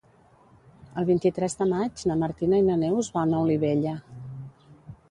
El vint-i-tres de maig na Martina i na Neus van a Olivella.